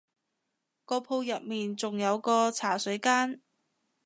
個鋪入面仲有個茶水間